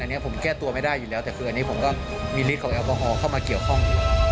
อันนี้ผมแก้ตัวไม่ได้อยู่แล้วแต่คืออันนี้ผมก็มีฤทธของแอลกอฮอลเข้ามาเกี่ยวข้องอยู่